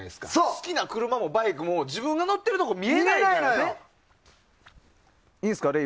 好きな車もバイクも自分が乗ってるところ見られないですからね。